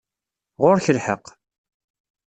Ɣur-k lḥeqq.